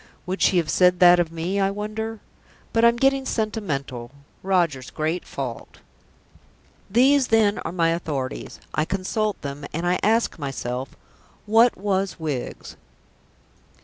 Would she have said that of me, I wonder? But I'm getting sentimental Roger's great fault. These then are my authorities; I consult them, and I ask myself, What was Wiggs?